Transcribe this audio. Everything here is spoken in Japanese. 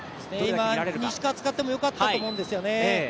今、西川、使ってもよかったと思うんですよね。